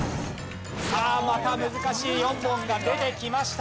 さあまた難しい４問が出てきました。